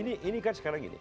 ini kan sekarang gini